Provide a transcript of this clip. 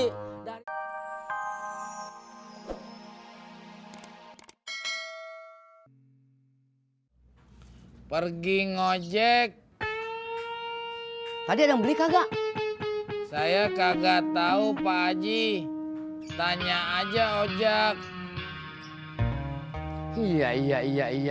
hai dari hai pergi ngecek tadi ada beli kagak saya kagak tahu pak aji tanya aja ojek ya ya ya ya